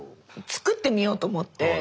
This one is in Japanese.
作ってみようと思って。